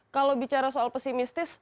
kalau bicara soal pesimistis